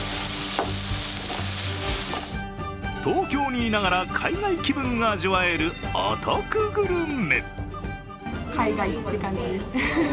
東京にいながら海外気分が味わえるお得グルメ。